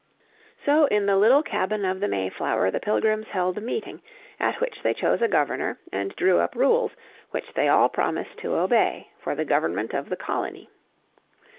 So in the little cabin of the Mayflower the Pilgrims held a meeting, at which they chose a Governor and drew up rules, which they all promised to obey, for the government of the colony.